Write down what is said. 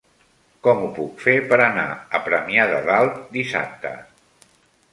Com ho puc fer per anar a Premià de Dalt dissabte?